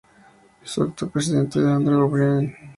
Su actual presidente es Andrew O'Brian.